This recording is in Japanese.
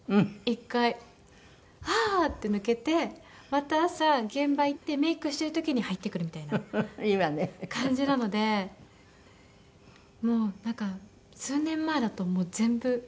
１回「ハア」って抜けてまた朝現場行ってメイクしてる時に入ってくるみたいな感じなのでもうなんか数年前だと全部抜けちゃって。